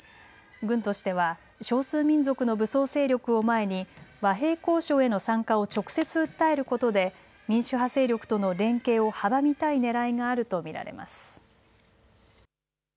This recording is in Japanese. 軍としては少数民族の武装勢力を前に和平交渉への参加を直接訴えることで民主派勢力との連携を阻みたいねらいがあると見られます。